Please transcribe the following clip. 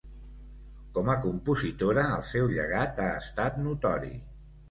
Com a compositora el seu llegat ha estat notori.